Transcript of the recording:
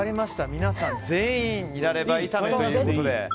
皆さん全員ニラレバ炒めということで。